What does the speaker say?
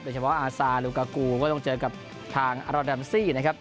เฉพาะอาซาลูกากูก็ต้องเจอกับทางอารอแดมซี่นะครับ